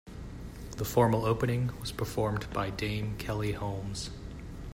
The formal opening was performed by Dame Kelly Holmes.